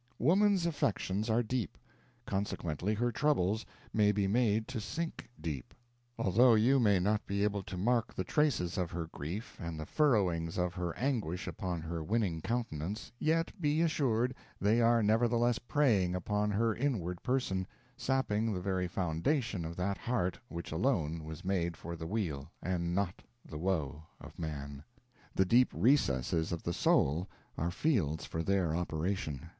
Woman's affections are deep, consequently her troubles may be made to sink deep. Although you may not be able to mark the traces of her grief and the furrowings of her anguish upon her winning countenance, yet be assured they are nevertheless preying upon her inward person, sapping the very foundation of that heart which alone was made for the weal and not the woe of man. The deep recesses of the soul are fields for their operation.